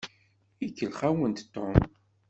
Ikellex-awent Tom.